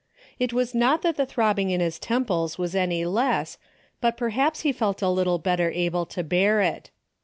It was not that the throbbing in his temples was any less, but per haps he felt a little better able to bear it.